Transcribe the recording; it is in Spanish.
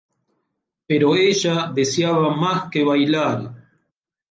Pero ella deseaba más que bailar.